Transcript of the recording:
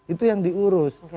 itu yang diurus